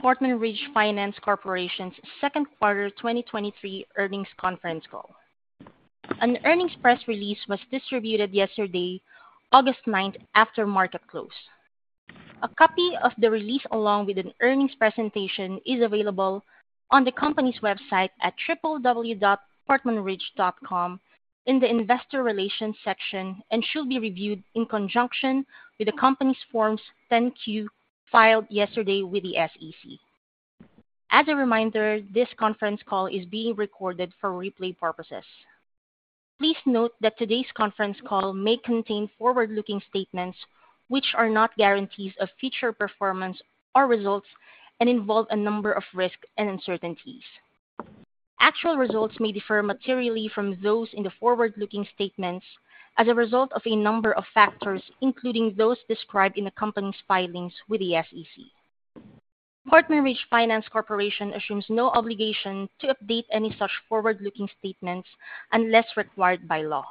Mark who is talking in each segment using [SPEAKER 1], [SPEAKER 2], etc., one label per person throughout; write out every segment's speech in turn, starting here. [SPEAKER 1] Portman Ridge Finance Corporation's Q2 2023 earnings conference call. An earnings press release was distributed yesterday, August 9th, after market close. A copy of the release, along with an earnings presentation, is available on the company's website at www.portmanridge.com in the Investor Relations section, and should be reviewed in conjunction with the company's Forms 10-Q, filed yesterday with the SEC. As a reminder, this conference call is being recorded for replay purposes. Please note that today's conference call may contain forward-looking statements which are not guarantees of future performance or results and involve a number of risks and uncertainties. Actual results may differ materially from those in the forward-looking statements as a result of a number of factors, including those described in the company's filings Portman Ridge Finance Corporation assumes no obligation to update any such forward-looking statements unless required by law.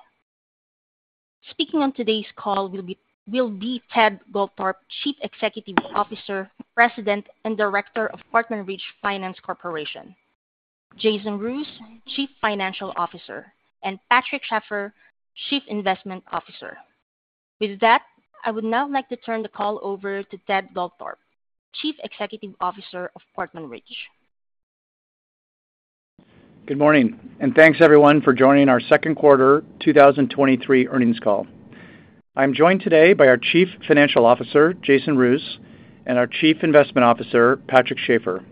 [SPEAKER 1] Speaking on today's call will Ted Goldthorpe, Chief Executive Portman Ridge Finance Corporation Jason Roos, Chief Financial Officer, Patrick Schafer, Chief Investment Officer. With that, I would now like to turn the call over Ted Goldthorpe, Chief Executive Officer of Portman Ridge Finance Corporation.
[SPEAKER 2] Good morning, thanks everyone for joining our Q2 2023 earnings call. I'm joined today by our Jason Roos, our Chief Investment Patrick Schafer.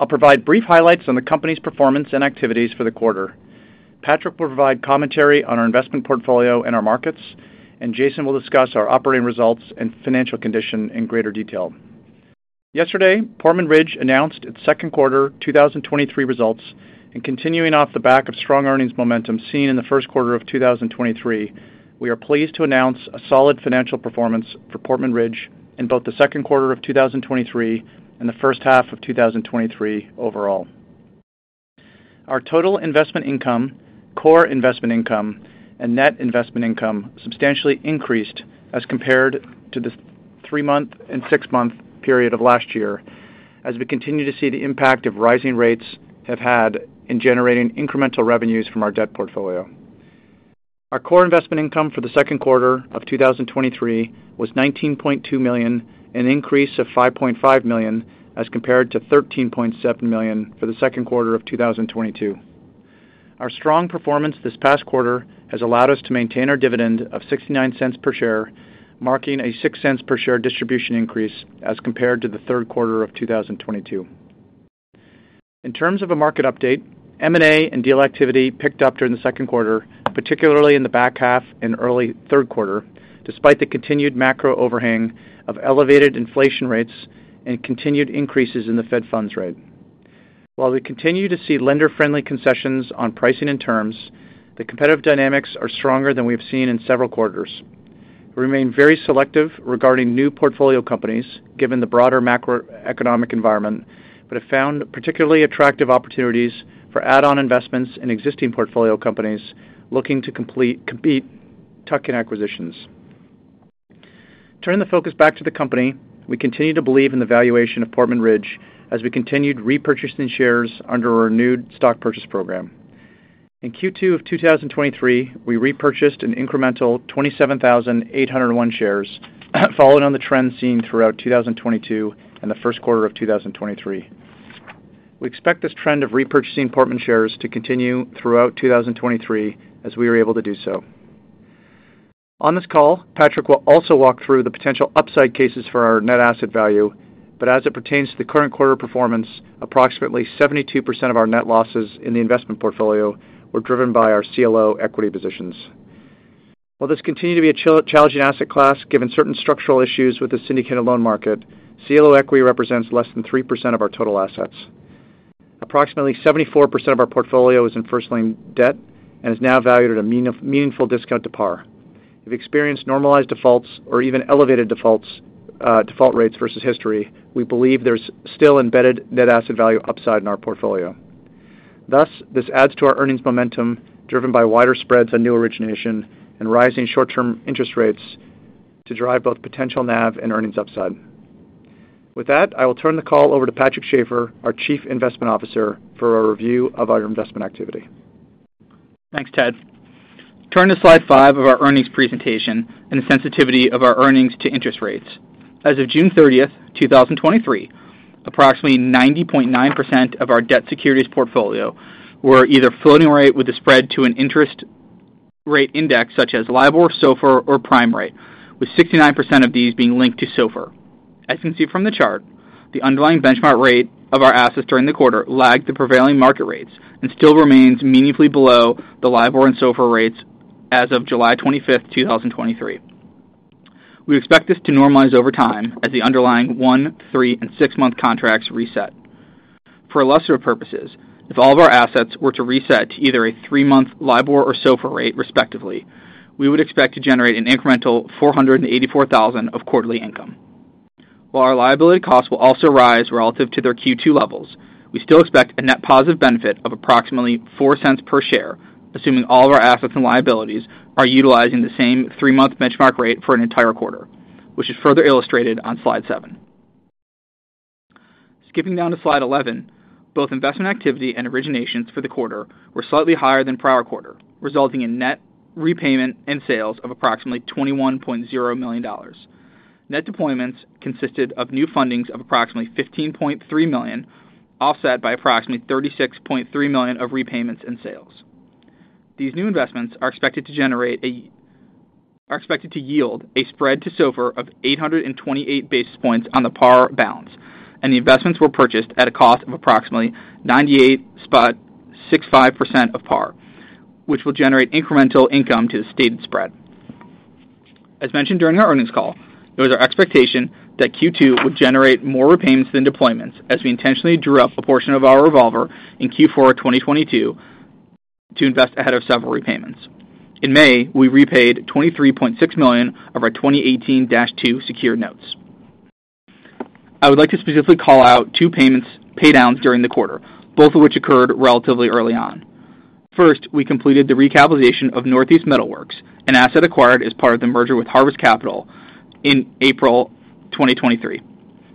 [SPEAKER 2] I'll provide brief highlights on the company's performance and activities for the quarter. Patrick Schafer will provide commentary on our investment portfolio and our Jason Roos will discuss our operating results and financial condition in greater detail. Yesterday, Portman Ridge Finance Corporation announced its Q2 2023 results, continuing off the back of strong earnings momentum seen in the Q1 2023, we are pleased to announce a solid financial performance for Portman Ridge Finance Corporation in both the Q2 2023 and the H1 of 2023 overall. Our total investment income, core investment income, and net investment income substantially increased as compared to the three-month and six-month period of last year, as we continue to see the impact of rising rates have had in generating incremental revenues from our debt portfolio. Our core investment income for the Q2 of 2023 was $19.2 million, an increase of $5.5 million, as compared to $13.7 million for the Q2 of 2022. Our strong performance this past quarter has allowed us to maintain our dividend of $0.69 per share, marking a $0.06 per share distribution increase as compared to the Q3 of 2022. In terms of a market update, M&A and deal activity picked up during the Q2, particularly in the back half and early Q3, despite the continued macro overhang of elevated inflation rates and continued increases in the Fed funds rate. While we continue to see lender-friendly concessions on pricing and terms, the competitive dynamics are stronger than we've seen in several quarters. We remain very selective regarding new portfolio companies, given the broader macroeconomic environment, but have found particularly attractive opportunities for add-on investments in existing portfolio companies looking to complete, compete tuck-in acquisitions. Turning the focus back to the company, we continue to believe in the valuation of Portman Ridge Finance Corporation as we continued repurchasing shares under our renewed stock purchase program. In Q2 of 2023, we repurchased an incremental 27,801 shares, followed on the trend seen throughout 2022 and the Q1 of 2023. We expect this trend of repurchasing Portman Ridge Finance Corporation shares to continue throughout 2023, as we are able to do so. On this call, Patrick Schafer will also walk through the potential upside cases for our net asset value, but as it pertains to the current quarter performance, approximately 72% of our net losses in the investment portfolio were driven by our CLO equity positions. While this continued to be a challenging asset class, given certain structural issues with the syndicated loan market, CLO equity represents less than 3% of our total assets. Approximately 74% of our portfolio is in first lien debt and is now valued at a meaningful discount to par. We've experienced normalized defaults or even elevated defaults, default rates versus history. We believe there's still embedded net asset value upside in our portfolio. Thus, this adds to our earnings momentum, driven by wider spreads on new origination and rising short-term interest rates to drive both potential NAV and earnings upside. With that, I will turn the call over Patrick Schafer, our Chief Investment Officer, for a review of our investment activity.
[SPEAKER 3] Thanks, Ted Goldthorpe. Turn to slide five of our earnings presentation and the sensitivity of our earnings to interest rates. As of June 30th, 2023, approximately 90.9% of our debt securities portfolio were either floating-rate with a spread to an interest rate index, such as LIBOR, SOFR, or Prime Rate, with 69% of these being linked to SOFR. As you can see from the chart, the underlying benchmark rate of our assets during the quarter lagged the prevailing market rates and still remains meaningfully below the LIBOR and SOFR rates as of July 25, 2023. We expect this to normalize over time as the underlying one, three, and six-month contracts reset. For illustrative purposes, if all of our assets were to reset to either a three-month LIBOR or SOFR rate, respectively, we would expect to generate an incremental $484,000 of quarterly income. While our liability costs will also rise relative to their Q2 levels. We still expect a net positive benefit of approximately $0.04 per share, assuming all of our assets and liabilities are utilizing the same three-month benchmark rate for an entire quarter, which is further illustrated on slide seven. Skipping down to slide 11, both investment activity and originations for the quarter were slightly higher than prior quarter, resulting in net repayment and sales of approximately $21.0 million. Net deployments consisted of new fundings of approximately $15.3 million, offset by approximately $36.3 million of repayments and sales. These new investments are expected to yield a spread to SOFR of 828 basis points on the par balance, the investments were purchased at a cost of approximately 98.65% of par, which will generate incremental income to the stated spread. As mentioned during our earnings call, it was our expectation that Q2 would generate more repayments than deployments, as we intentionally drew up a portion of our revolver in Q4 of 2022 to invest ahead of several repayments. In May, we repaid $23.6 million of our 2018-2 Secured Notes. I would like to specifically call out two payments paydowns during the quarter, both of which occurred relatively early on. First, we completed the recapitalization of Northeast Metal Works, an asset acquired as part of the merger with Harvest Capital in April 2023.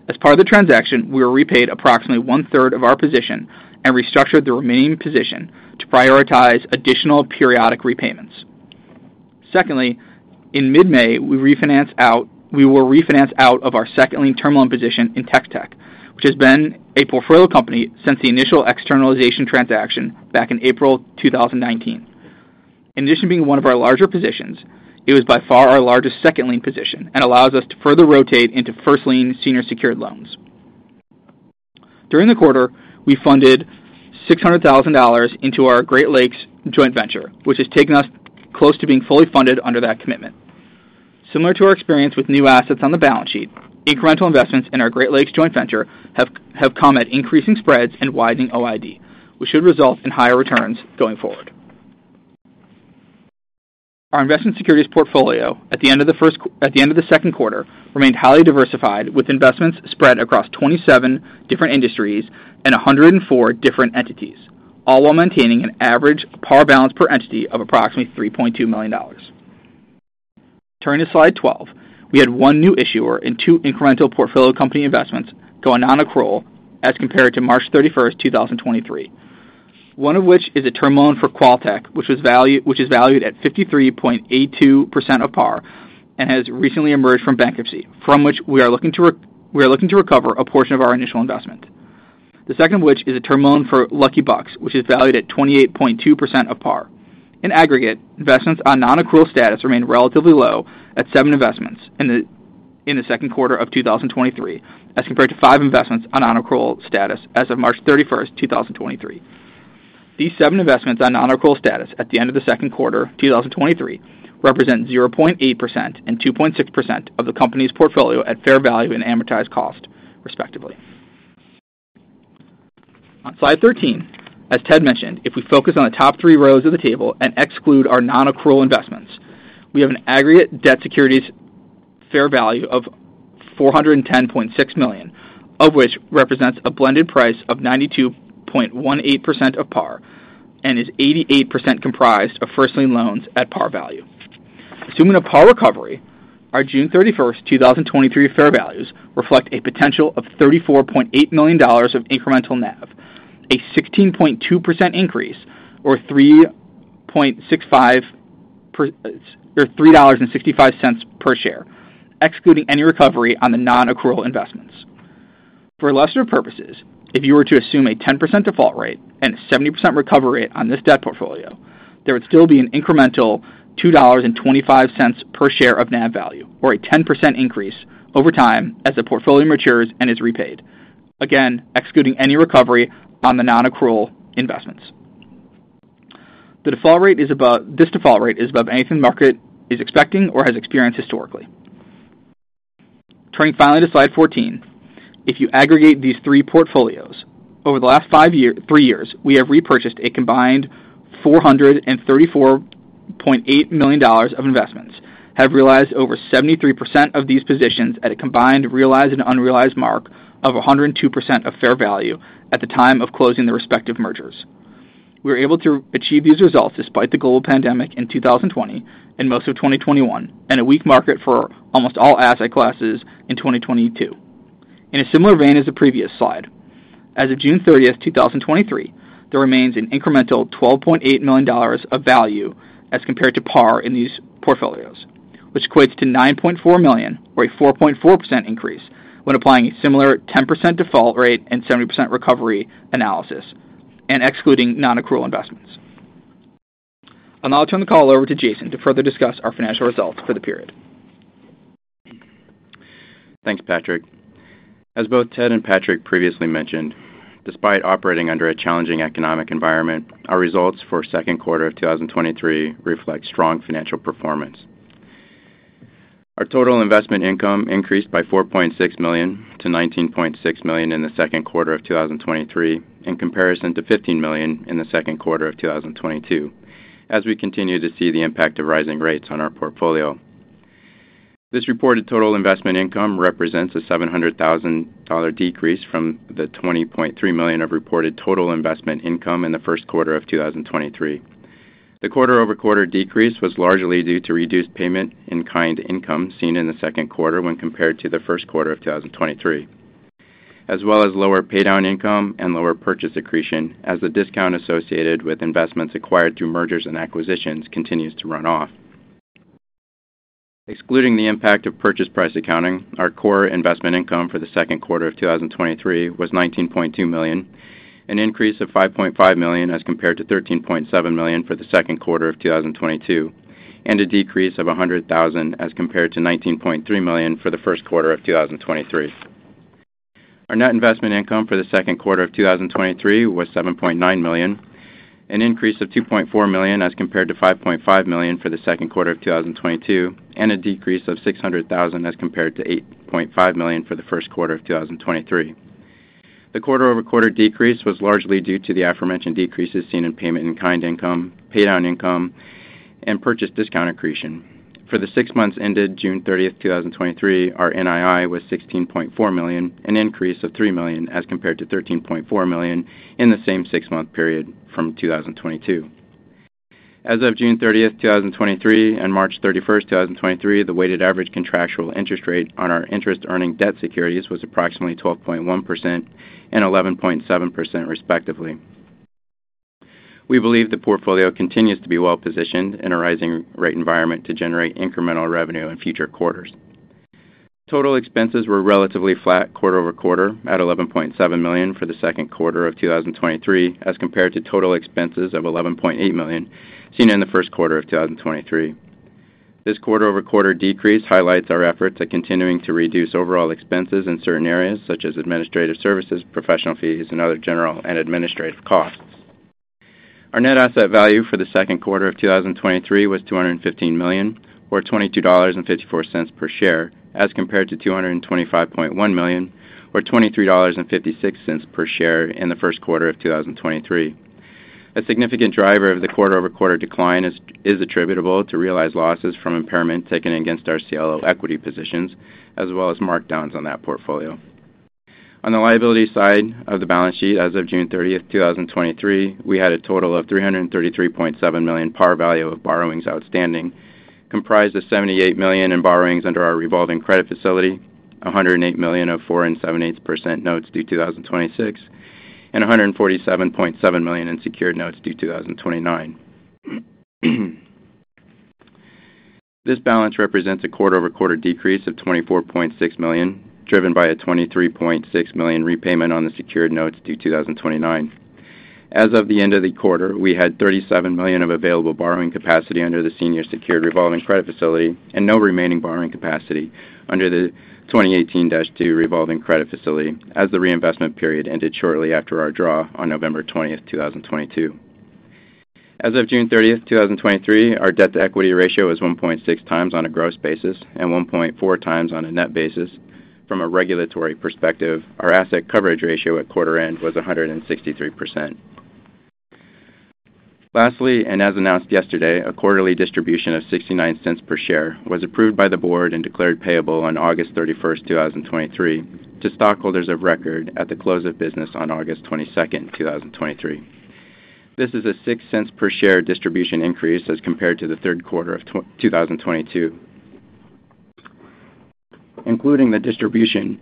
[SPEAKER 3] As part of the transaction, we were repaid approximately 1/3 of our position and restructured the remaining position to prioritize additional periodic repayments. Secondly, in mid-May, we will refinance out of our second lien term loan position in Tex-Tech, which has been a portfolio company since the initial externalization transaction back in April 2019. In addition to being one of our larger positions, it was by far our largest second lien position and allows us to further rotate into first lien senior secured loans. During the quarter, we funded $600,000 into our Great Lakes joint venture, which has taken us close to being fully funded under that commitment. Similar to our experience with new assets on the balance sheet, incremental investments in our Great Lakes joint venture have come at increasing spreads and widening OID, which should result in higher returns going forward. Our investment securities portfolio at the end of the Q2, remained highly diversified, with investments spread across 27 different industries and 104 different entities, all while maintaining an average par balance per entity of approximately $3.2 million. Turning to slide 12. We had one new issuer and two incremental portfolio company investments going on accrual as compared to March 31st, 2023. 1One of which is a term loan for QualTek, which is valued at 53.82% of par and has recently emerged from bankruptcy, from which we are looking to recover a portion of our initial investment. The second of which is a term loan for Lucky Bucks, which is valued at 28.2% of par. In aggregate, investments on nonaccrual status remain relatively low at 7 investments in the Q2 of 2023, as compared to five investments on nonaccrual status as of March 31st, 2023. These seven investments on nonaccrual status at the end of the Q2, 2023, represent 0.8% and 2.6% of the company's portfolio at fair value and amortized cost, respectively. On slide 13, as Ted Goldthorpe mentioned, if we focus on the top three rows of the table and exclude our nonaccrual investments, we have an aggregate debt securities fair value of $410.6 million, of which represents a blended price of 92.18% of par and is 88% comprised of first lien loans at par value. Assuming a par recovery, our June 31st, 2023, fair values reflect a potential of $34.8 million of incremental NAV, a 16.2% increase or $3.65 per-- or $3.65 per share, excluding any recovery on the nonaccrual investments. For illustrative purposes, if you were to assume a 10% default rate and a 70% recovery rate on this debt portfolio, there would still be an incremental $2.25 per share of NAV value, or a 10% increase over time as the portfolio matures and is repaid. Again, excluding any recovery on the nonaccrual investments. The default rate is above-- this default rate is above anything the market is expecting or has experienced historically. Turning finally to slide 14. If you aggregate these three portfolios, over the last three years, we have repurchased a combined $434.8 million of investments, have realized over 73% of these positions at a combined realized and unrealized mark of 102% of fair value at the time of closing the respective mergers. We were able to achieve these results despite the global pandemic in 2020 and most of 2021, and a weak market for almost all asset classes in 2022. In a similar vein as the previous slide, as of June 30th, 2023, there remains an incremental $12.8 million of value as compared to par in these portfolios, which equates to $9.4 million, or a 4.4% increase when applying a similar 10% default rate and 70% recovery analysis and excluding nonaccrual investments. I'll now turn the call over Jason Roos to further discuss our financial results for the period.
[SPEAKER 4] Thanks, Patrick Schafer. As both Ted Goldthorpe and Patrick Schafer previously mentioned, despite operating under a challenging economic environment, our results for Q2 of 2023 reflect strong financial performance. Our total investment income increased by $4.6 million to $19.6 million in the Q2 of 2023, in comparison to $15 million in the Q2 of 2022, as we continue to see the impact of rising rates on our portfolio. This reported total investment income represents a $700,000 decrease from the $20.3 million of reported total investment income in the Q1 of 2023. The quarter-over-quarter decrease was largely due to reduced payment-in-kind income seen in the Q2 when compared to the Q1 of 2023, as well as lower paydown income and lower purchase accretion, as the discount associated with investments acquired through mergers and acquisitions continues to run off. Excluding the impact of purchase price accounting, our core investment income for the Q2 of 2023 was $19.2 million, an increase of $5.5 million as compared to $13.7 million for the Q2 of 2022, and a decrease of $100,000 as compared to $19.3 million for the Q1 of 2023. Our net investment income for the Q2 of 2023 was $7.9 million, an increase of $2.4 million as compared to $5.5 million for the Q2 of 2022. A decrease of $600,000 as compared to $8.5 million for the Q1 of 2023. The quarter-over-quarter decrease was largely due to the aforementioned decreases seen in payment-in-kind income, paydown income, and purchase discount accretion. For the six months ended June 30th, 2023, our NII was $16.4 million, an increase of $3 million as compared to $13.4 million in the same six-month period from 2022. As of June 30th, 2023, and March 31st, 2023, the weighted average contractual interest rate on our interest-earning debt securities was approximately 12.1% and 11.7%, respectively. We believe the portfolio continues to be well-positioned in a rising rate environment to generate incremental revenue in future quarters. Total expenses were relatively flat quarter-over-quarter at $11.7 million for Q2 2023, as compared to total expenses of $11.8 million seen in Q1 2023. This quarter-over-quarter decrease highlights our efforts at continuing to reduce overall expenses in certain areas such as administrative services, professional fees, and other general and administrative costs. Our net asset value for the Q2 of 2023 was $215 million, or $22.54 per share, as compared to $225.1 million, or $23.56 per share in the Q1 of 2023. A significant driver of the quarter-over-quarter decline is attributable to realized losses from impairment taken against our CLO equity positions, as well as markdowns on that portfolio. On the liability side of the balance sheet as of June 30th, 2023, we had a total of $333.7 million par value of borrowings outstanding, comprised of $78 million in borrowings under our revolving credit facility, $108 million of 4.875% Notes due 2026, and $147.7 million in secured Notes due 2029. This balance represents a quarter-over-quarter decrease of $24.6 million, driven by a $23.6 million repayment on the secured Notes due 2029. As of the end of the quarter, we had $37 million of available borrowing capacity under the senior secured revolving credit facility and no remaining borrowing capacity under the 2018-2 Revolving Credit Facility, as the reinvestment period ended shortly after our draw on November 20th, 2022. As of June 30th, 2023, our debt-to-equity ratio is 1.6 times on a gross basis and 1.4 times on a net basis. From a regulatory perspective, our asset coverage ratio at quarter-end was 163%. Lastly, as announced yesterday, a quarterly distribution of $0.69 per share was approved by the board and declared payable on August 31st, 2023, to stockholders of record at the close of business on August 22nd, 2023. This is a $0.06 per share distribution increase as compared to the Q3 of 2022. Including the distribution,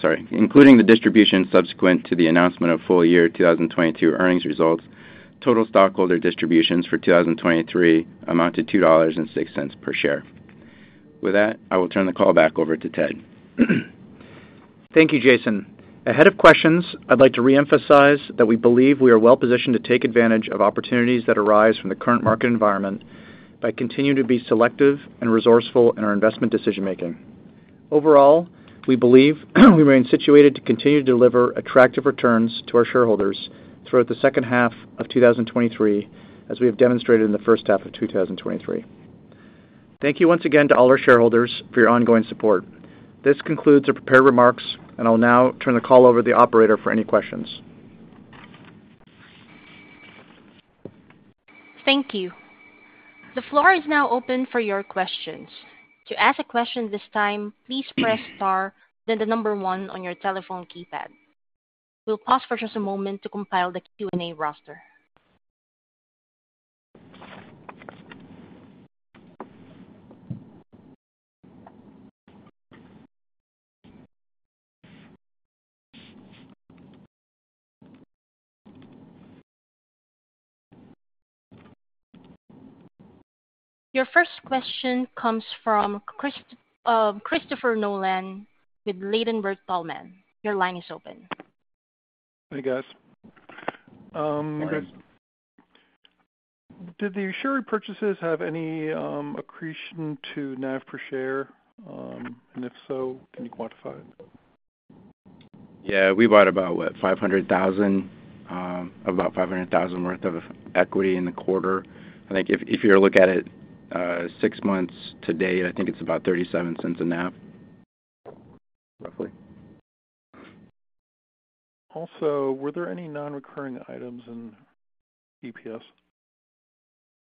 [SPEAKER 4] sorry. Including the distribution subsequent to the announcement of full year 2022 earnings results, total stockholder distributions for 2023 amount to $2.06 per share. With that, I will turn the call back over to Ted Goldthorpe.
[SPEAKER 2] Thank Jason Roos. Ahead of questions, I'd like to reemphasize that we believe we are well-positioned to take advantage of opportunities that arise from the current market environment by continuing to be selective and resourceful in our investment decision making. Overall, we believe we remain situated to continue to deliver attractive returns to our shareholders throughout the H2 of 2023, as we have demonstrated in the H1 of 2023. Thank you once again to all our shareholders for your ongoing support. This concludes our prepared remarks, and I'll now turn the call over to the operator for any questions.
[SPEAKER 1] Thank you. The floor is now open for your questions. To ask a question this time, please press Star, then the number one on your telephone keypad. We'll pause for just a moment to compile the Q&A roster. Your first question comes Christopher Nolan with Ladenburg Thalmann. Your line is open.
[SPEAKER 5] Hey, guys.
[SPEAKER 4] Hi.
[SPEAKER 5] Did the Anchor purchases have any accretion to NAV per share? If so, can you quantify it?
[SPEAKER 4] Yeah, we bought about, what? about $500,000 worth of equity in the quarter. I think if, if you look at it, six months to date, I think it's about $0.37 a NAV, roughly....
[SPEAKER 5] Were there any non-recurring items in EPS?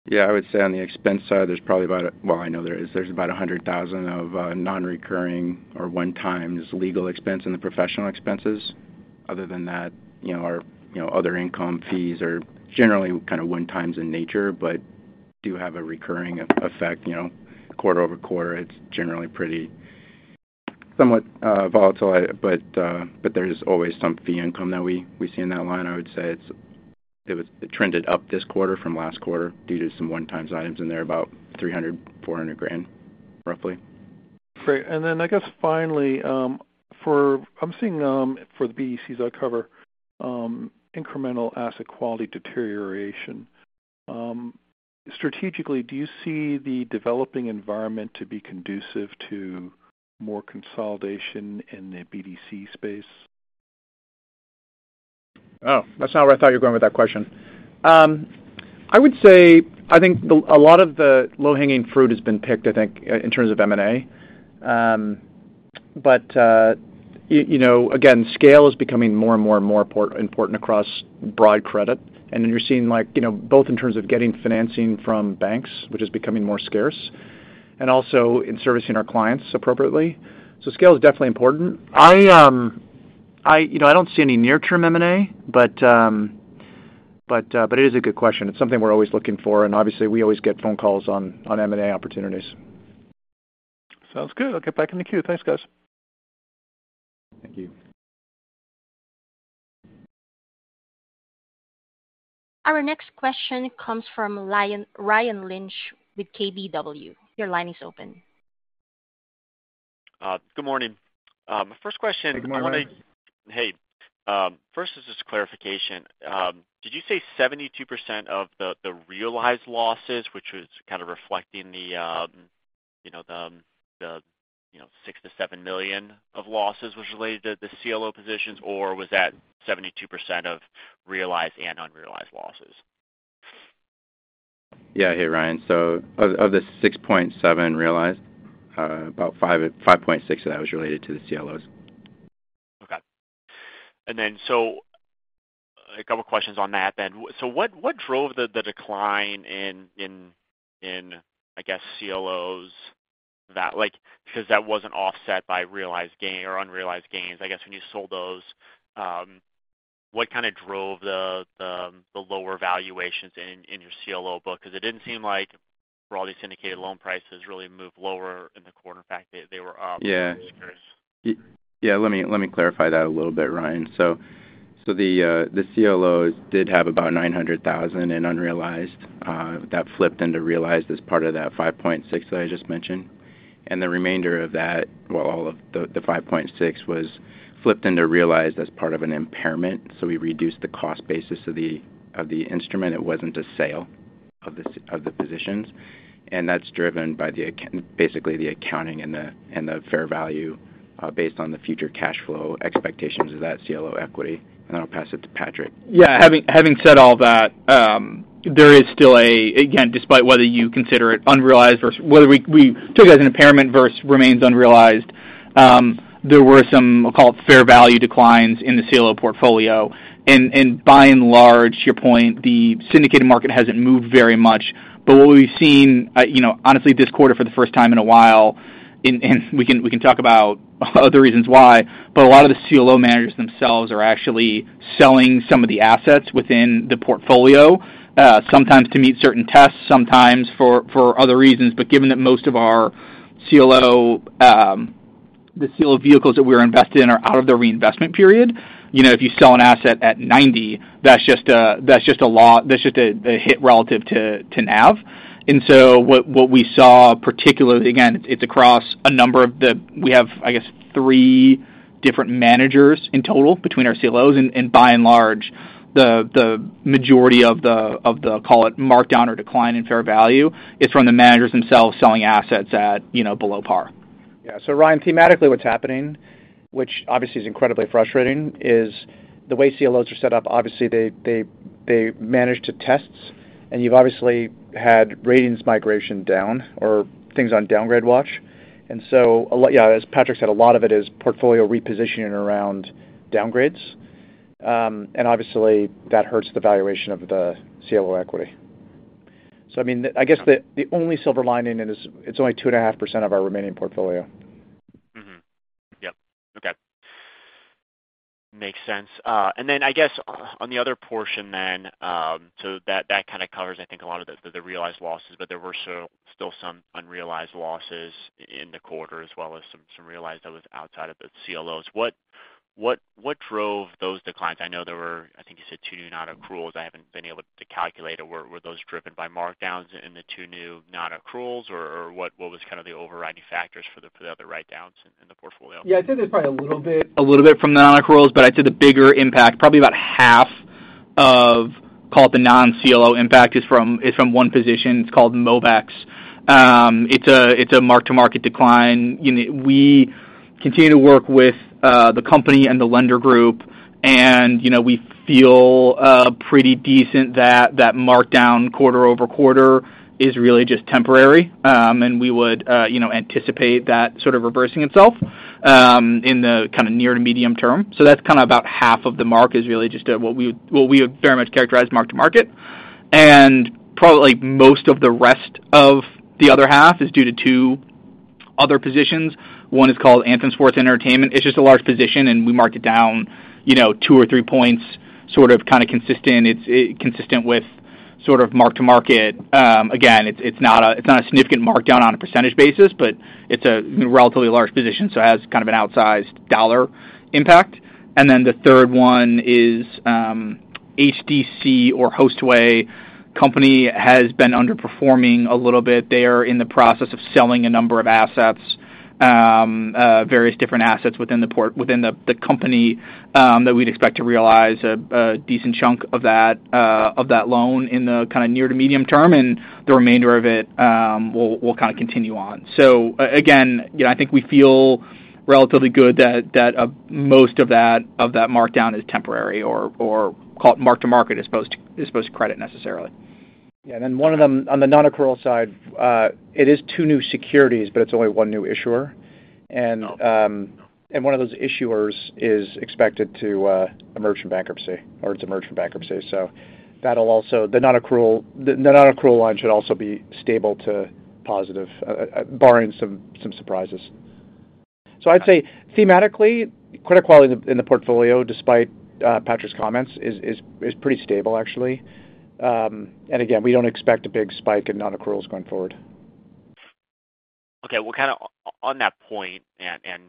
[SPEAKER 4] Yeah, I would say on the expense side, there's probably about Well, I know there is. There's about $100,000 of non-recurring or one-time legal expense in the professional expenses. Other than that, you know, our, you know, other income fees are generally kind of one-time in nature, but do have a recurring effect, you know. Quarter-over-quarter, it's generally pretty somewhat volatile, but there's always some fee income that we, we see in that line. I would say it's, it was, it trended up this quarter from last quarter due to some one-time items in there, about $300,000-$400,000, roughly.
[SPEAKER 5] Great. Then I guess finally, I'm seeing, for the BDCs I cover, incremental asset quality deterioration. Strategically, do you see the developing environment to be conducive to more consolidation in the BDC space?
[SPEAKER 3] Oh, that's not where I thought you were going with that question. I would say, I think the a lot of the low-hanging fruit has been picked, I think, in terms of M&A. You know, again, scale is becoming more, and more, and more important across broad credit. Then you're seeing, like, you know, both in terms of getting financing from banks, which is becoming more scarce, and also in servicing our clients appropriately. Scale is definitely important. I, you know, I don't see any near-term M&A, but, but it is a good question. It's something we're always looking for, and obviously, we always get phone calls on, on M&A opportunities.
[SPEAKER 5] Sounds good. I'll get back in the queue. Thanks, guys.
[SPEAKER 4] Thank you.
[SPEAKER 1] Our next question comes Ryan Lynch with KBW. Your line is open.
[SPEAKER 6] Good morning. My first question-
[SPEAKER 4] Good morning.
[SPEAKER 6] Hey. First, this is clarification. Did you say 72% of the realized losses, which was kind of reflecting the, you know, the, you know, $6 million-$7 million of losses was related to the CLO positions, or was that 72% of realized and unrealized losses?
[SPEAKER 4] Yeah. Hey, Ryan Lynch. Of, of the $6.7 realized, about $5, $5.6 of that was related to the CLOs.
[SPEAKER 6] A couple of questions on that then. What drove the decline in, I guess, CLOs? Because that wasn't offset by realized gain or unrealized gains. I guess when you sold those, what kind of drove the lower valuations in your CLO book? Because it didn't seem like for all these syndicated loan prices really moved lower in the quarter. In fact, they were up.
[SPEAKER 4] Yeah. Let me clarify that a little bit, Ryan Lynch. The CLOs did have about $900,000 in unrealized that flipped into realized as part of that $5.6 million that I just mentioned. The remainder of that, well, all of the $5.6 million was flipped into realized as part of an impairment, so we reduced the cost basis of the instrument. It wasn't a sale of the positions, and that's driven by basically, the accounting and the fair value based on the future cash flow expectations of that CLO equity. I'll pass it to Patrick Schafer.
[SPEAKER 3] Yeah. Having said all that, there is still again, despite whether you consider it unrealized versus whether we, we took it as an impairment versus remains unrealized, there were some, we'll call it, fair value declines in the CLO portfolio. By and large, your point, the syndicated market hasn't moved very much. What we've seen, you know, honestly, this quarter for the first time in a while, we can talk about other reasons why, but a lot of the CLO managers themselves are actually selling some of the assets within the portfolio, sometimes to meet certain tests, sometimes for other reasons. Given that most of our CLO, the CLO vehicles that we're invested in are out of the reinvestment period, you know, if you sell an asset at 90, that's just a, a hit relative to, to NAV. What, what we saw, particularly, again, it's across a number of the we have, I guess, three different managers in total between our CLOs, and, and by and large, the, the majority of the, of the, call it, markdown or decline in fair value is from the managers themselves selling assets at, you know, below par.
[SPEAKER 2] Yeah. Ryan Lynch, thematically, what's happening, which obviously is incredibly frustrating, is the way CLOs are set up. Obviously, they manage to tests, and you've obviously had ratings migration down or things on downgrade watch. Yeah, as Patrick Schafer said, a lot of it is portfolio repositioning around downgrades. Obviously, that hurts the valuation of the CLO equity. I mean, I guess the only silver lining in it is it's only 2.5% of our remaining portfolio.
[SPEAKER 6] Okay. Makes sense. Then I guess on, on the other portion then, that, that kind of covers, I think, a lot of the, the realized losses, but there were still some unrealized losses in the quarter, as well as some realized that was outside of the CLOs. What drove those declines? I know there were, I think you said two non-accruals. I haven't been able to calculate. Were those driven by markdowns in the two new non-accruals, or what was kind of the overriding factors for the other writedowns in the portfolio?
[SPEAKER 3] Yeah, I'd say there's probably a little bit, a little bit from the non-accruals. I'd say the bigger impact, probably about half of, call it the non-CLO impact, is from one position. It's called Movex. It's a mark-to-market decline. You know, we continue to work with the company and the lender group, and, you know, we feel pretty decent that that markdown quarter-over-quarter is really just temporary. We would, you know, anticipate that sort of reversing itself in the kind of near to medium-term. That's kind of about half of the mark is really just what we would, what we would very much characterize mark-to-market.
[SPEAKER 6] Probably most of the rest of the other half is due to two other positions. One is called Anthem Sports & Entertainment. It's just a large position, and we marked it down, you know, two or three points, sort of, kind of consistent. It's consistent with sort of mark-to-market. Again, it's, it's not a, it's not a significant markdown on a percentage basis, but it's a relatively large position, so it has kind of an outsized dollar impact. The third one is HDC or Hostway has been underperforming a little bit. They are in the process of selling a number of assets, various different assets within the, the company, that we'd expect to realize a decent chunk of that loan in the kind of near to medium term, and the remainder of it will kind of continue on. So again, you know, I think we feel relatively good that most of that markdown is temporary or call it mark-to-market, as opposed to credit necessarily.
[SPEAKER 2] Yeah, one of them, on the nonaccrual side, it is two new securities, but it's only 1 new issuer.
[SPEAKER 6] Oh.
[SPEAKER 2] One of those issuers is expected to emerge from bankruptcy, or it's emerged from bankruptcy. The nonaccrual, the, the nonaccrual line should also be stable to positive, barring some surprises. I'd say thematically, credit quality in the, in the portfolio, despite Patrick Schafer's comments, is, is, is pretty stable actually. Again, we don't expect a big spike in nonaccruals going forward.
[SPEAKER 6] Okay. Well, kind of on that point, and, and,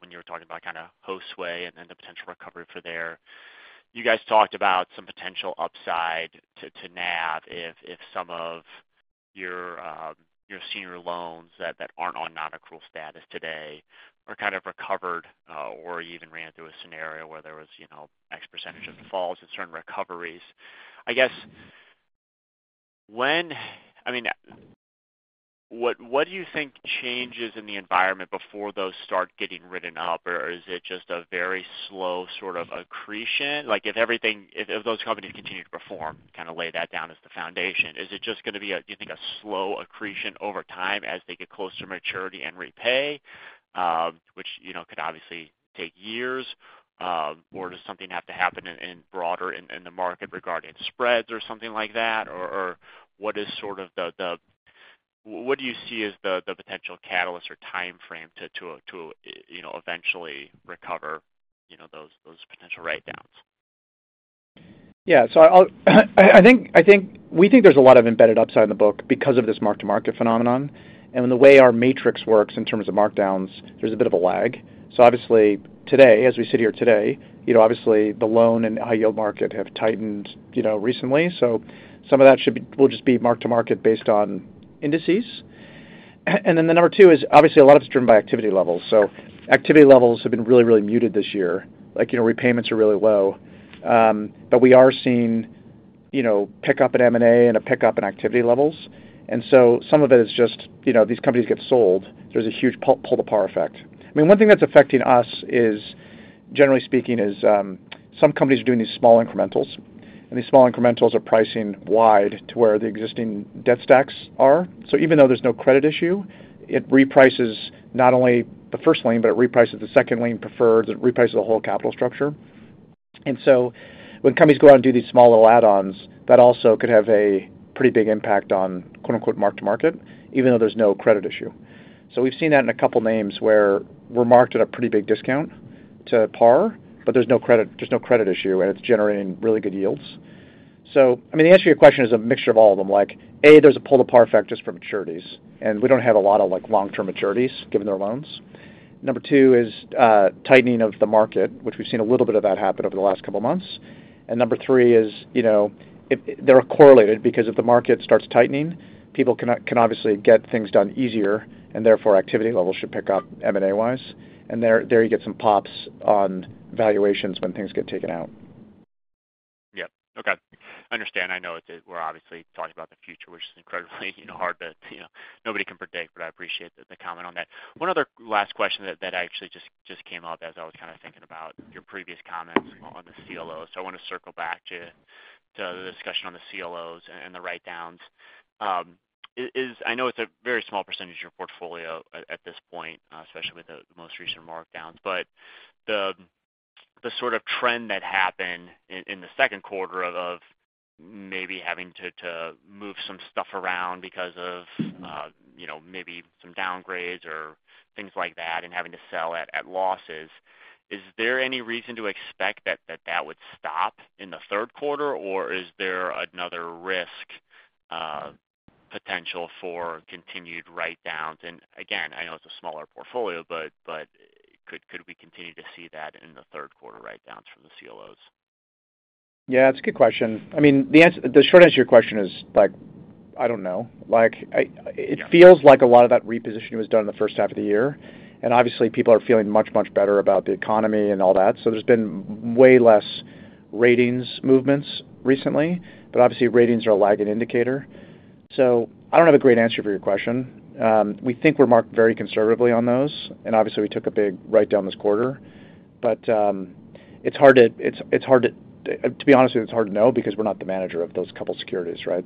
[SPEAKER 6] when you were talking about kind of Hostway and then the potential recovery for there, you guys talked about some potential upside to, to NAV if, if some of your, your senior loans that, that aren't on nonaccrual status today are kind of recovered, or even ran through a scenario where there was, you know, X percentage of defaults and certain recoveries. I guess, when I mean, what, what do you think changes in the environment before those start getting written up? Or is it just a very slow sort of accretion? Like, if everything-- if, if those companies continue to perform, kind of lay that down as the foundation, is it just gonna be a, do you think, a slow accretion over time as they get closer to maturity and repay, which, you know, could obviously take years? Does something have to happen in, in broader in, in the market regarding spreads or something like that? Or, what is sort of the, the... What do you see as the, the potential catalyst or timeframe to, to, to, you know, eventually recover, you know, those, those potential writedowns?
[SPEAKER 2] Yeah. I'll-- I, I think, I think-- We think there's a lot of embedded upside in the book because of this mark-to-market phenomenon. The way our matrix works in terms of markdowns, there's a bit of a lag. Obviously, today, as we sit here today, you know, obviously, the loan and high yield market have tightened, you know, recently. Some of that will just be mark-to-market based on indices. Then the number two is, obviously, a lot of it's driven by activity levels. Activity levels have been really, really muted this year. Like, you know, repayments are really low. We are seeing, you know, pickup in M&A and a pickup in activity levels. Some of it is just, you know, these companies get sold. There's a huge pull to par effect. I mean, one thing that's affecting us is, generally speaking, is, some companies are doing these small incrementals, and these small incrementals are pricing wide to where the existing debt stacks are. Even though there's no credit issue, it reprices not only the first lien, but it reprices the second lien preferred, it reprices the whole capital structure. When companies go out and do these small little add-ons, that also could have a pretty big impact on mark-to-market, even though there's no credit issue. We've seen that in a couple names where we're marked at a pretty big discount to par, but there's no credit, there's no credit issue, and it's generating really good yields. I mean, the answer to your question is a mixture of all of them. Like, A, there's a pull-to-par effect just for maturities, we don't have a lot of, like, long-term maturities given their loans. Number two is, tightening of the market, which we've seen a little bit of that happen over the last couple of months. Number three is, you know, it, they're correlated, because if the market starts tightening, people can, can obviously get things done easier, and therefore activity levels should pick up M&A-wise. There, there you get some pops on valuations when things get taken out.
[SPEAKER 6] Yeah. Okay. I understand. I know it, we're obviously talking about the future, which is incredibly, you know, hard to, you know, nobody can predict, but I appreciate the, the comment on that. One other last question that, that actually just, just came up as I was kind of thinking about your previous comments on the CLOs. I want to circle back to, to the discussion on the CLOs and, and the writedowns. Is, is... I know it's a very small percentage of your portfolio at, at this point, especially with the most recent markdowns, but the sort of trend that happened in, in the Q2 of, of maybe having to, to move some stuff around because of, you know, maybe some downgrades or things like that, and having to sell at, at losses, is there any reason to expect that, that would stop in the Q3, or is there another risk, potential for continued writedowns? Again, I know it's a smaller portfolio, but could we continue to see that in the Q3, writedowns from the CLOs?
[SPEAKER 2] Yeah, it's a good question. I mean, the answer, the short answer to your question is, like, I don't know. It feels like a lot of that repositioning was done in the H1 of the year, and obviously, people are feeling much, much better about the economy and all that. There's been way less ratings movements recently, but obviously ratings are a lagging indicator. I don't have a great answer for your question. We think we're marked very conservatively on those, and obviously, we took a big writedown this quarter. It's hard to, to be honest with you, it's hard to know because we're not the manager of those couple securities, right?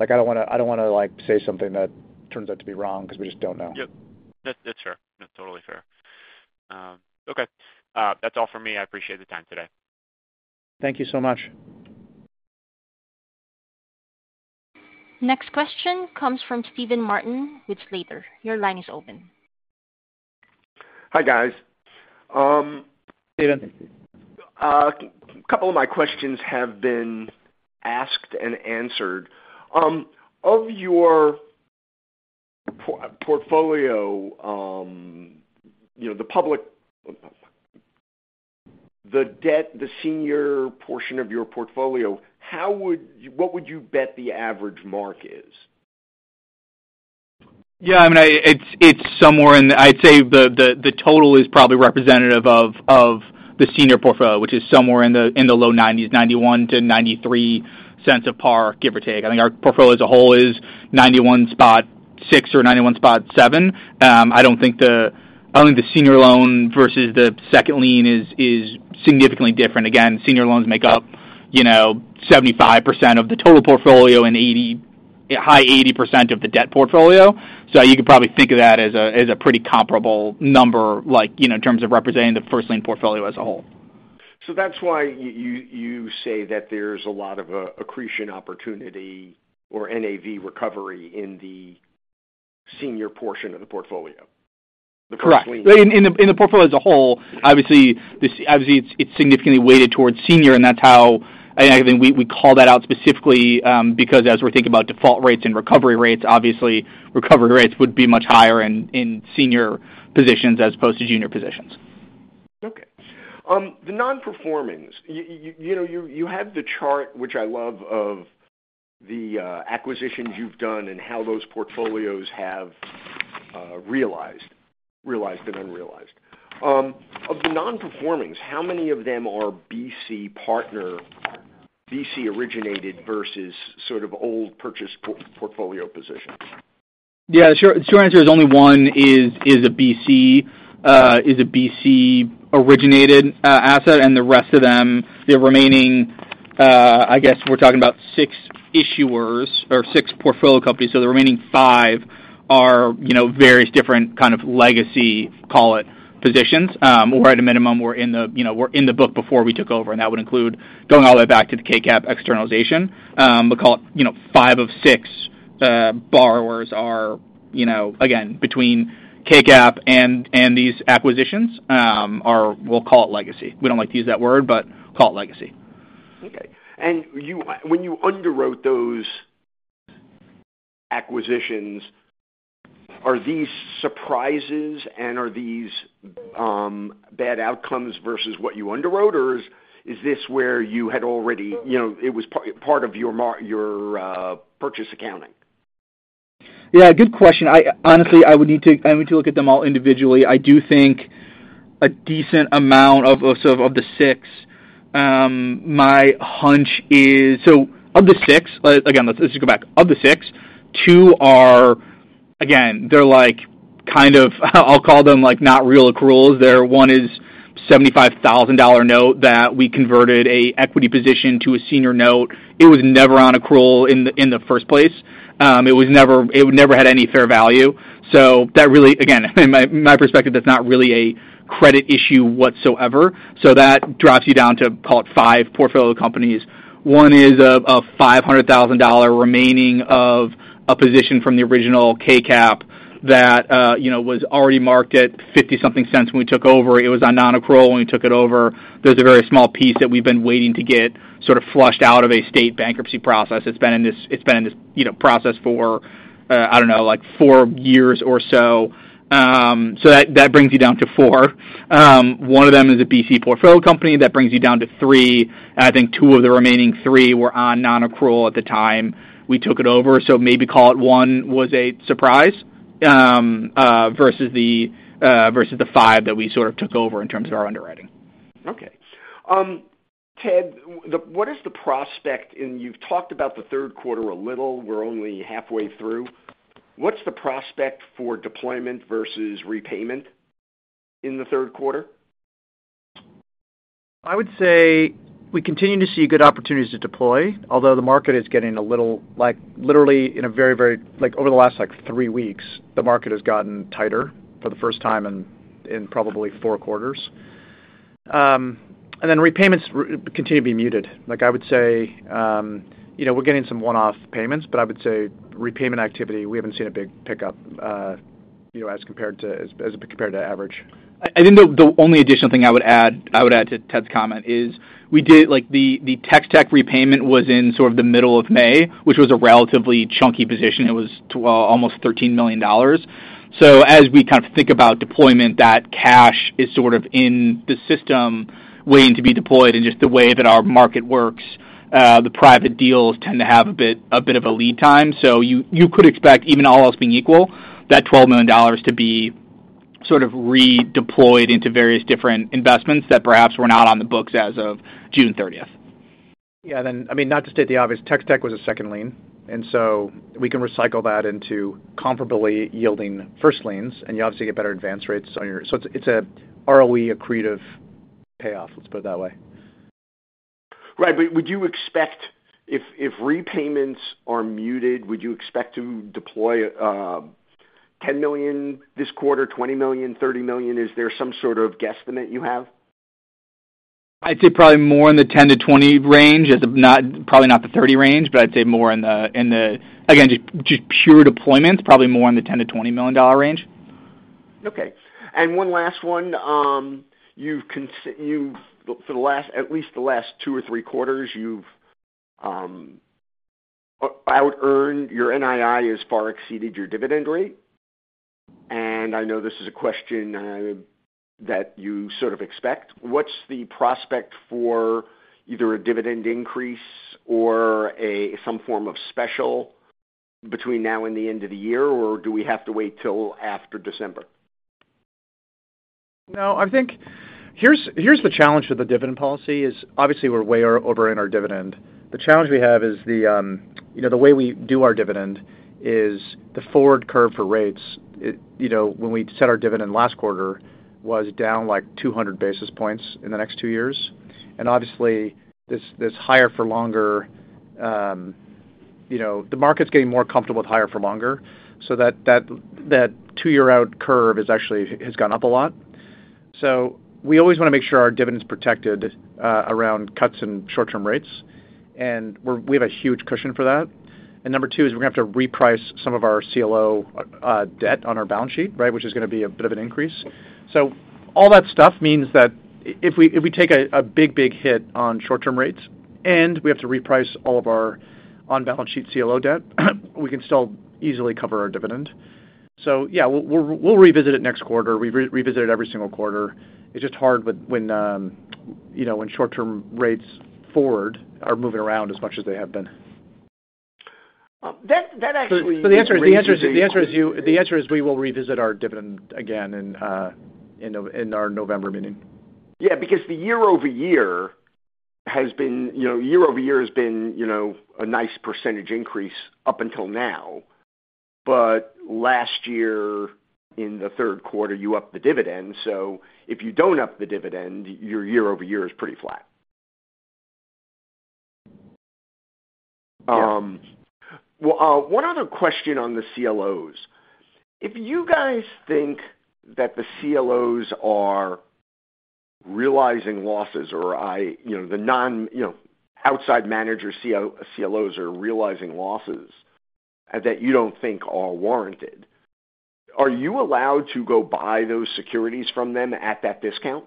[SPEAKER 2] Like, I don't wanna, I don't wanna, like, say something that turns out to be wrong because we just don't know.
[SPEAKER 6] Yep. That's fair. That's totally fair....
[SPEAKER 3] Okay. That's all for me. I appreciate the time today.
[SPEAKER 2] Thank you so much.
[SPEAKER 1] Next question comes Steven Martin with Slater Capital Management. Your line is open.
[SPEAKER 7] Hi, guys.
[SPEAKER 2] Steven Martin.
[SPEAKER 7] A couple of my questions have been asked and answered. Of your portfolio, you know, the debt, the senior portion of your portfolio, what would you bet the average mark is?
[SPEAKER 3] Yeah, I mean, it's, it's somewhere in the-- I'd say the, the, the total is probably representative of, of the senior portfolio, which is somewhere in the, in the low 90s, $0.91-$0.93 of par, give or take. I think our portfolio as a whole is 91.6% or 91.7%. I don't think the, I don't think the senior loan versus the second lien is, is significantly different. Again, senior loans make up, you know, 75% of the total portfolio and high 80% of the debt portfolio. You could probably think of that as a, as a pretty comparable number, like, you know, in terms of representing the first lien portfolio as a whole.
[SPEAKER 7] That's why you, you say that there's a lot of accretion opportunity or NAV recovery in the senior portion of the portfolio?
[SPEAKER 3] Correct. In, in the, in the portfolio as a whole, obviously, obviously, it's, it's significantly weighted towards senior, and that's how. I think we, we call that out specifically, because as we're thinking about default rates and recovery rates, obviously recovery rates would be much higher in, in senior positions as opposed to junior positions.
[SPEAKER 7] Okay. The non-performings. You know, you, you have the chart, which I love, of the acquisitions you've done and how those portfolios have realized, realized and unrealized. Of the non-performings, how many of them are BC Partners, BC Partners originated versus sort of old purchased portfolio positions?
[SPEAKER 3] Yeah, the short answer is only one is a BC Partners, is a BC Partners-originated asset, and the rest of them, the remaining, I guess we're talking about six issuers or six portfolio companies. The remaining five are, you know, various different kind of legacy, call it, positions. Or at a minimum, were in the, you know, were in the book before we took over, and that would include going all the way back to the KCAP externalization. Call it, you know, five o fsix borrowers are, you know, again, between KCAP and these acquisitions, are, we'll call it legacy. We don't like to use that word, but call it legacy.
[SPEAKER 7] Okay. You when you underwrote those acquisitions, are these surprises and are these bad outcomes versus what you underwrote? Is this where you had already... You know, it was part of your purchase accounting?
[SPEAKER 3] Yeah, good question. I, honestly, I would need to, I would need to look at them all individually. I do think a decent amount of, of, so of the six, my hunch is... Of the six, again, let's just go back. Of the six, two are, again, they're like, kind of, I'll call them, like, not real accruals. They're. One is $75,000 note that we converted a equity position to a senior note. It was never on accrual in the, in the first place. It was never. It never had any fair value. That really, again, in my, my perspective, that's not really a credit issue whatsoever. That drops you down to, call it, five portfolio companies. One is a $500,000 remaining of a position from the original KCAP that, you know, was already marked at $0.50 something when we took over. It was on non-accrual when we took it over. There's a very small piece that we've been waiting to get sort of flushed out of a state bankruptcy process. It's been in this, it's been in this, you know, process for, I don't know, like four years or so. That, that brings you down to four. One of them is a BC portfolio company. That brings you down to three. I think two of the remaining three were on non-accrual at the time we took it over, so maybe call it one was a surprise, versus the, versus the five that we sort of took over in terms of our underwriting.
[SPEAKER 7] Okay. Ted Goldthorpe, what is the prospect? And you've talked about the Q3 a little. We're only halfway through. What's the prospect for deployment versus repayment in the Q3?
[SPEAKER 2] I would say we continue to see good opportunities to deploy, although the market is getting a little, literally over the last three weeks, the market has gotten tighter for the first time in, in probably four quarters. Repayments continue to be muted. I would say, you know, we're getting some one-off payments, but I would say repayment activity, we haven't seen a big pickup, you know, as compared to, as compared to average.
[SPEAKER 3] I, I think the, the only additional thing I would add, I would add to Ted Goldthorpe's comment is: we did, like the, the Tex-Tech repayment was in sort of the middle of May, which was a relatively chunky position. It was almost $13 million. As we kind of think about deployment, that cash is sort of in the system waiting to be deployed. Just the way that our market works, the private deals tend to have a bit, a bit of a lead time. You, you could expect, even all else being equal, that $12 million to be sort of redeployed into various different investments that perhaps were not on the books as of June 30th.
[SPEAKER 2] Yeah, I mean, not to state the obvious, Tex-Tech was a second lien. We can recycle that into comparably yielding first liens. You obviously get better advance rates on your. It's a ROE accretive payoff, let's put it that way.
[SPEAKER 7] Right, but would you expect if, if repayments are muted, would you expect to deploy, $10 million this quarter, $20 million, $30 million? Is there some sort of guesstimate you have?
[SPEAKER 3] I'd say probably more in the $10 million-$20 million range, as if not, probably not the $30 million range, but I'd say more again, just pure deployments, probably more in the $10 million-$20 million range.
[SPEAKER 7] Okay. One last one. You've cons- you've, for the last, at least the last two or three quarters, you've outearned, your NII has far exceeded your dividend rate. I know this is a question that you sort of expect. What's the prospect for either a dividend increase or a, some form of special between now and the end of the year, or do we have to wait till after December?
[SPEAKER 2] No, I think here's, here's the challenge with the dividend policy, is obviously we're way over in our dividend. The challenge we have is the, you know, the way we do our dividend is the forward curve for rates. It, you know, when we set our dividend last quarter, was down like 200 basis points in the next two years. Obviously, this, this higher for longer, you know, the market's getting more comfortable with higher for longer, so that, that, that two-year-out curve is actually, has gone up a lot. We always want to make sure our dividend is protected, around cuts and short-term rates, and we're, we have a huge cushion for that. Number two is we're gonna have to reprice some of our CLO debt on our balance sheet, right, which is gonna be a bit of an increase. All that stuff means that if we, if we take a, a big, big hit on short-term rates, and we have to reprice all of our on-balance sheet CLO debt, we can still easily cover our dividend. Yeah, we'll, we'll, we'll revisit it next quarter. We re-revisit it every single quarter. It's just hard with when, you know, when short-term rates forward are moving around as much as they have been.
[SPEAKER 7] That, that actually-
[SPEAKER 2] The answer is, the answer is, the answer is we will revisit our dividend again in our November meeting.
[SPEAKER 7] Yeah, because the year-over-year has been, you know, year-over-year has been, you know, a nice percentage increase up until now. Last year, in the Q3, you upped the dividend, so if you don't up the dividend, your year-over-year is pretty flat. Well, one other question on the CLOs. If you guys think that the CLOs are realizing losses or I... You know, the non, you know, outside manager CLOs are realizing losses that you don't think are warranted, are you allowed to go buy those securities from them at that discount?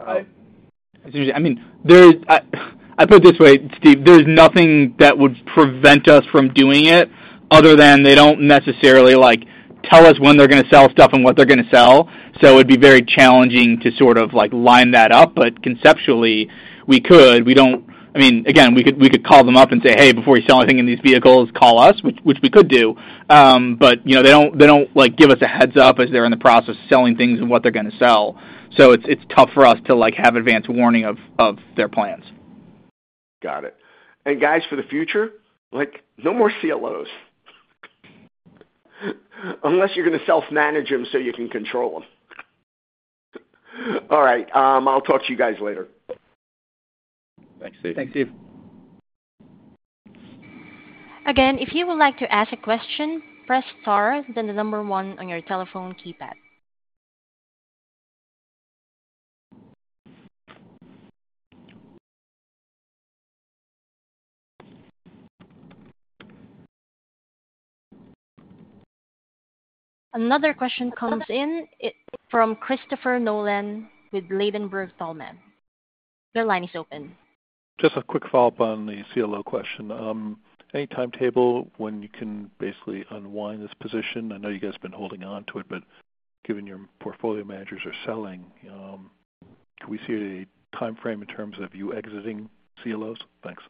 [SPEAKER 3] I mean, there is, I put it this way, Steven Martin. There's nothing that would prevent us from doing it other than they don't necessarily, like, tell us when they're gonna sell stuff and what they're gonna sell. It'd be very challenging to sort of, like, line that up, but conceptually, we could. I mean, again, we could, we could call them up and say, "Hey, before you sell anything in these vehicles, call us," which, which we could do. You know, they don't, they don't, like, give us a heads up as they're in the process of selling things and what they're gonna sell. It's, it's tough for us to, like, have advance warning of, of their plans.
[SPEAKER 7] Got it. Guys, for the future, like, no more CLOs. Unless you're gonna self-manage them, so you can control them. All right, I'll talk to you guys later.
[SPEAKER 2] Thanks, Steven Martin.
[SPEAKER 3] Thanks, Steven Martin.
[SPEAKER 1] Again, if you would like to ask a question, press star, then the number one on your telephone keypad. Another question comes in Christopher Nolan with Ladenburg Thalmann. Your line is open.
[SPEAKER 5] Just a quick follow-up on the CLO question. Any timetable when you can basically unwind this position? I know you guys have been holding on to it, but given your portfolio managers are selling, can we see a timeframe in terms of you exiting CLOs? Thanks.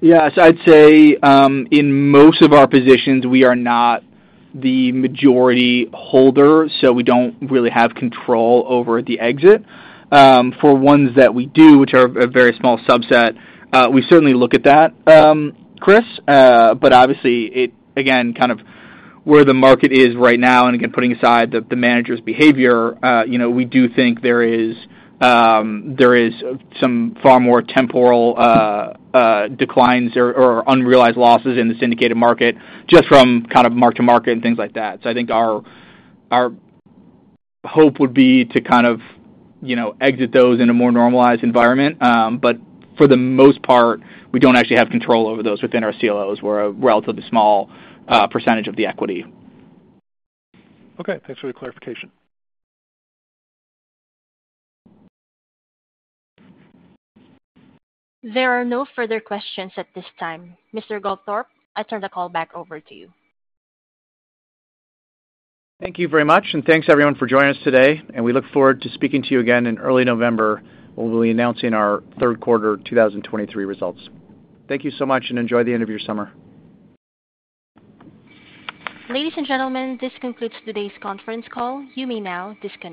[SPEAKER 3] Yes, I'd say, in most of our positions, we are not the majority holder, so we don't really have control over the exit. For ones that we do, which are a very small subset, we certainly look at that, Christopher Nolan. Obviously, it again, kind of where the market is right now, and again, putting aside the, the managers' behavior, you know, we do think there is, there is some far more temporal, declines or, or unrealized losses in the syndicated market, just from kind of mark to market and things like that. I think our, our hope would be to kind of, you know, exit those in a more normalized environment. For the most part, we don't actually have control over those within our CLOs, we're a relatively small, percentage of the equity.
[SPEAKER 5] Okay, thanks for the clarification.
[SPEAKER 1] There are no further questions at this time. Mr. Goldthorpe, I turn the call back over to you.
[SPEAKER 2] Thank you very much, and thanks, everyone, for joining us today, and we look forward to speaking to you again in early November, when we'll be announcing our Q3 2023 results. Thank you so much, and enjoy the end of your summer.
[SPEAKER 1] Ladies and gentlemen, this concludes today's conference call. You may now disconnect.